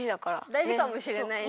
大事かもしれないね。